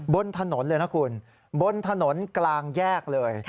บนถนนเลยนะคุณบนถนนกลางแยกเลย